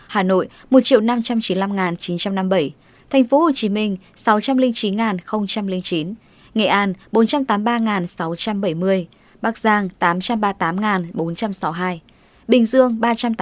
hà nội một năm trăm chín mươi năm chín trăm năm mươi bảy tp hcm sáu trăm linh chín chín nghệ an bốn trăm tám mươi ba sáu trăm bảy mươi bắc giang tám trăm ba mươi tám bốn trăm sáu mươi hai bình dương ba trăm tám mươi ba bảy trăm một mươi chín